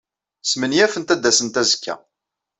Smenyafent ad d-asent azekka.